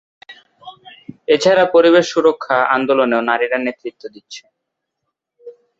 এছাড়া পরিবেশ সুরক্ষা আন্দোলনেও নারীরা নেতৃত্ব দিচ্ছে।